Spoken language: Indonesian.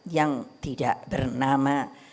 yang tidak bernama